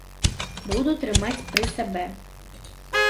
Буду трымаць пры сабе!